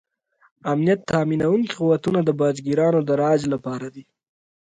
امنیت تامینونکي قوتونه د باج ګیرانو د راج لپاره دي.